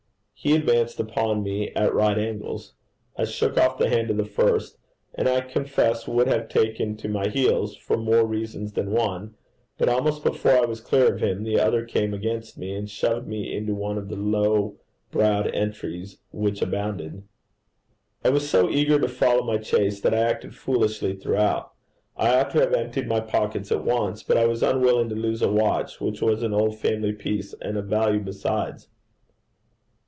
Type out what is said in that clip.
He advanced upon me at right angles. I shook off the hand of the first, and I confess would have taken to my heels, for more reasons than one, but almost before I was clear of him, the other came against me, and shoved me into one of the low browed entries which abounded. I was so eager to follow my chase that I acted foolishly throughout. I ought to have emptied my pockets at once; but I was unwilling to lose a watch which was an old family piece, and of value besides.